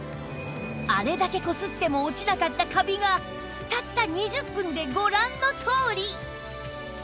あれだけこすっても落ちなかったカビがたった２０分でご覧のとおり